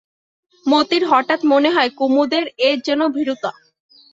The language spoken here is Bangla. মতির হঠাৎ মনে হয় কুমুদের এ যেন ভীরুতা।